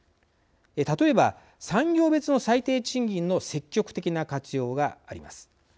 例えば、産業別の最低賃金の積極的な活用があります。